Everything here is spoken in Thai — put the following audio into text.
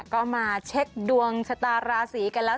ก็มาเช็คดวงชะตาราศีกันแล้ว